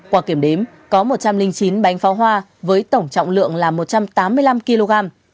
qua kiểm đếm có một trăm linh chín bánh pháo hoa với tổng trọng lượng là một trăm tám mươi năm kg